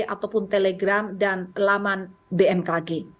ataupun telegram dan laman bmkg